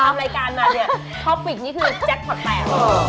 ตามรายการมาเนี่ยท็อปปิกนี่คือแจ็คพอร์ตแตก